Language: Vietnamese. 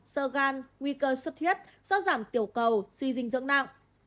sơ gan nguy cơ xuất hiết gió giảm tiểu cầu suy dinh dưỡng nặng